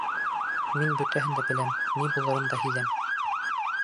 — Мин бөтәһен дә беләм, ни булырын да һиҙәм.